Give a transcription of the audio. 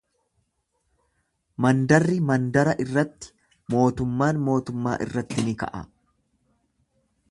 Mandarri mandara irratti, mootummaan mootummaa irratti ni ka'a.